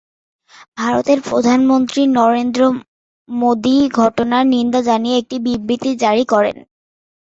ভারতের প্রধানমন্ত্রী নরেন্দ্র মোদী ঘটনার নিন্দা জানিয়ে একটি বিবৃতি জারি করেন।